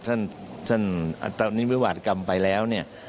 ท่านออกนิวาสกรรมไปแล้วเนี่ย